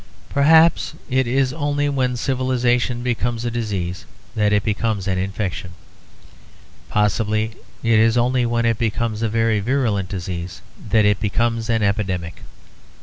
Perhaps it is only when civilisation becomes a disease that it becomes an infection. Possibly it is only when it becomes a very virulent disease that it becomes an epidemic.